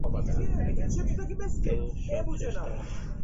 তো, সব শেষ তাহলে।